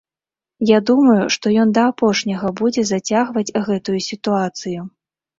Я думаю, што ён да апошняга будзе зацягваць гэтую сітуацыю.